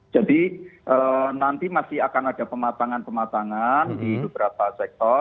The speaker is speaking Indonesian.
jadi nanti masih akan ada pematangan pematangan di beberapa sektor